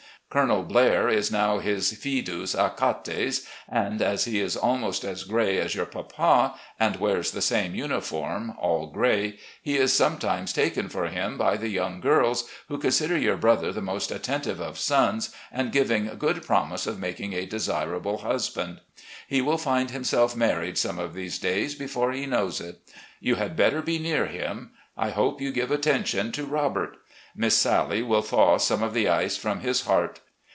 Col. Blair is now his 'fidus Achates,' and as he is almost as gray as your papa, and wears the same uniform, all gray, he is some times taken for him by the yotmg girls, who consider your brother the most attentive of sons, and giving good promise of making a desirable husband. He will find himself married some of these days before he knows it. You had better be near him. I hope you give attention to Robert. Miss Sallie will thaw some of the ice from his heart.